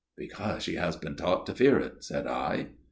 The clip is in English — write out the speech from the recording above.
(Because she has been taught to fear it, said I.)